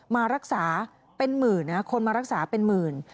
มารักษาเป็นหมื่นนะคนมารักษาเป็นหมื่น